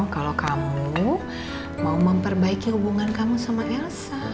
kalau kamu mau memperbaiki hubungan kamu sama elsa